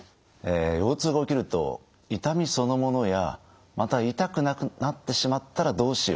腰痛が起きると痛みそのものやまた痛くなってしまったらどうしよう。